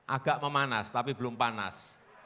agak memanas tapi belum panas